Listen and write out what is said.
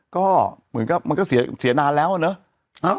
ก็เหมือนกับมันก็เสียนานแล้วอะเนาะ